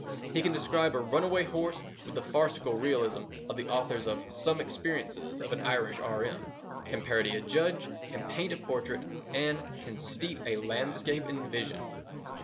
He can describe a runaway horse with the farcical realism of the authors of Some Experiences of an Irish R.M., can parody a judge, can paint a portrait, and can steep a landscape in vision.